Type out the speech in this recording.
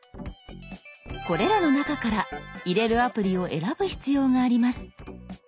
これらの中から入れるアプリを選ぶ必要があります。